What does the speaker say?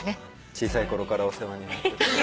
小さい頃からお世話になって。